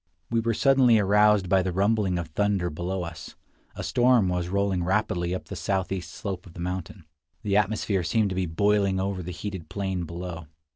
We were suddenly aroused by the rumbling of thunder below us. A storm was rolling rapidly up the southeast slope of the mountain. The atmosphere seemed to be boiling over the heated plain below.